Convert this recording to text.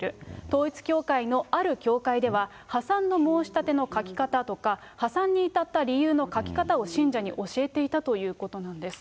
統一教会のある教会では、破産の申し立ての書き方とか、破産に至った理由の書き方を信者に教えていたということなんです。